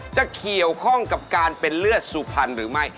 จะเกี่ยวข้องกับการเป็นเลือดสุพรรณหรือไม่